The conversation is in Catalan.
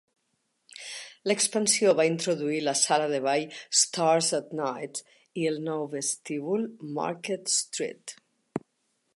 L'expansió va introduir la sala de ball "Stars at Night" i el nou vestíbul "Market Street".